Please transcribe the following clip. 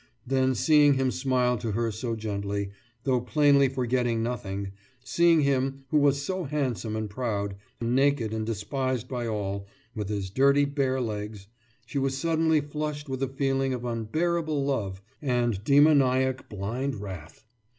Then seeing him smile to to her so gently, though plainly forgetting nothing seeing him, who was so handsome and proud, now naked and despised by all, with his dirty bare legs, she was suddenly flushed with a feeling of unbearable love and demoniac blind wrath.